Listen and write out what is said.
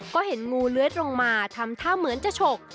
ก็เห็นงูเลื้อยลงมาทำท่าเหมือนจะฉก